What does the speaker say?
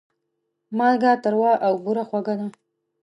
مالګه تروه او بوره خوږه ده.